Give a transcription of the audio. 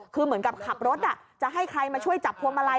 คือเหมือนกับขับรถจะให้ใครมาช่วยจับพวงมาลัย